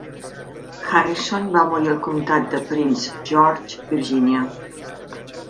Harrison va morir al comtat de Prince George, Virgínia.